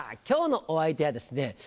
今日のお相手はですね